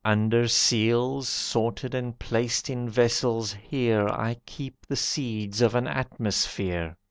Under seals, Sorted, and placed in vessels here, I keep the seeds of an atmosphere.